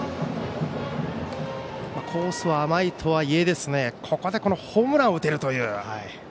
コースは甘いとはいえここでホームランを打てるという。